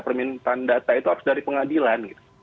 permintaan data itu harus dari pengadilan